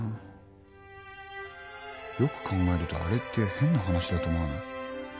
よく考えるとあれって変な話だと思わない？